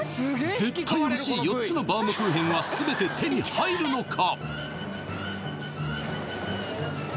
絶対ほしい４つのバウムクーヘンは全て手に入るのか？